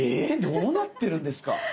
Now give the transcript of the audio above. どうなってるんですか。